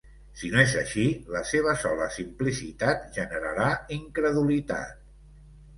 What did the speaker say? Si no és així, la seva sola simplicitat generarà incredulitat.